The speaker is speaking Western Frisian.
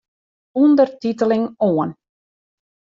Undertiteling oan.